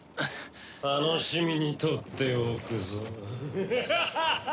楽しみに取っておくぞ。